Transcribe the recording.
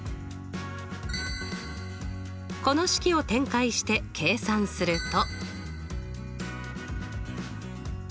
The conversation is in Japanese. この式を展開して計算すると。